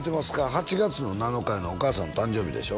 ８月の７日いうのお母さんの誕生日でしょ？